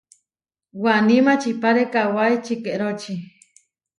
Waní maʼčipáre kawái čikeróči.